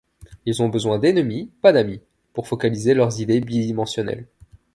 Ils ont besoin d’ennemis, pas d’amis, pour focaliser leurs idées bidimensionnelles.